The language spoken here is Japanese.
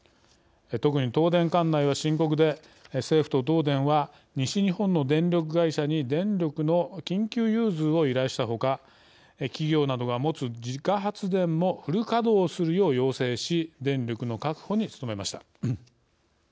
特に東電管内は深刻で政府と東電は西日本の電力会社に電力の緊急融通を依頼したほか企業などが持つ自家発電もフル稼働するよう要請し電力の確保に努めました。